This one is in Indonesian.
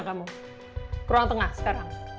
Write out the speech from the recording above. kurang tengah sekarang